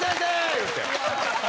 言うて。